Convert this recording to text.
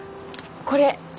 これ